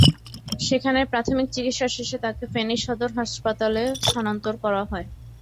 সেখানে প্রাথমিক চিকিৎসা শেষে তাকে ফেনী সদর হাসপাতালে স্থানান্তর করা হয়।